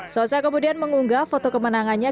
sosa kemudian mengunggah foto kemenangannya